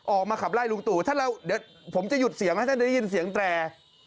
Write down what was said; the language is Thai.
ออกมาขับไล่ลุงตู่ถ้าเราเดี๋ยวผมจะหยุดเสียงให้ท่านได้ยินเสียงแตร